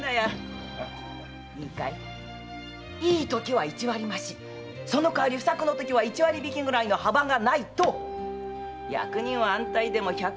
いいかいいいときは一割増しその代わり不作のときは一割引きぐらいの幅がないと役人は安泰でも百姓は死人が出る。